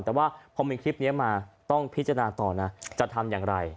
แต่ว่าพอมีคลิปนี้มาต้องพิจารณาต่อนะจะทำอย่างไร